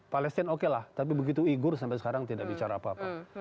palestine okelah tapi begitu uyghur sampai sekarang tidak bicara apa apa